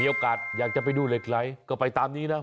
มีโอกาสอยากจะไปดูเหล็กไหล่ก็ไปตามนี้นะ